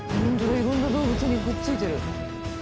いろんな動物にくっついている。